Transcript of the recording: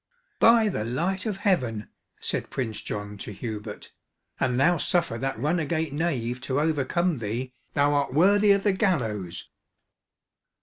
"By the light of heaven!" said Prince John to Hubert, "an thou suffer that runagate knave to overcome thee, thou art worthy of the gallows!"